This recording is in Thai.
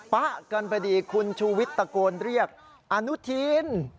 ป๊ะกันพอดีคุณชูวิทย์ตะโกนเรียกอนุทิน